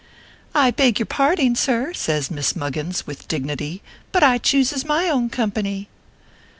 " I beg your parding, sir," says Miss Muggins, with dignity, " but I chooses my own company."